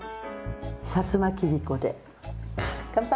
薩摩切子で乾杯。